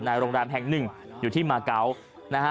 โรงแรมแห่งหนึ่งอยู่ที่มาเกาะนะฮะ